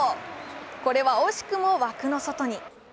これは惜しくも枠の外に。